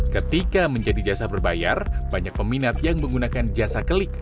ketika menjadi jasa berbayar banyak peminat yang menggunakan jasa kelik